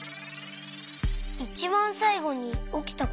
いちばんさいごにおきたこと？